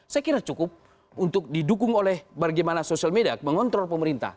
saya kira cukup untuk didukung oleh bagaimana sosial media mengontrol pemerintah